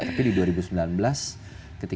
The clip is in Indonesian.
tapi di dua ribu sembilan belas ketika yang gak ada